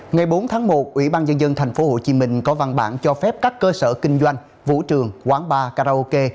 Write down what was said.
ngày bốn tháng một ủy ban nhân dân tp hcm có văn bản cho phép các cơ sở kinh doanh vũ trường quán bar karaoke